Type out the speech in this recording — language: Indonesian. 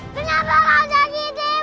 kenapa kau jadi ibu kau